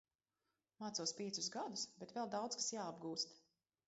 Mācos piecus gadus, bet vēl daudz kas jāapgūst.